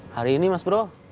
hari ini mas bro